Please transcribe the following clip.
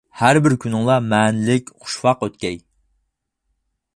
ھەر بىر كۈنۈڭلار مەنىلىك، خۇشۋاق ئۆتكەي.